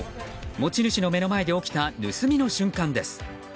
持ち主の目の前で起きた盗みの瞬間です。